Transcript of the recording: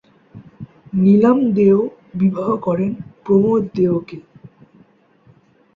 নীলম দেও বিবাহ করেন প্রমোদ দেও কে।